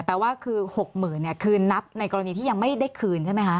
แปลว่าคือ๖๐๐๐เนี่ยคือนับในกรณีที่ยังไม่ได้คืนใช่ไหมคะ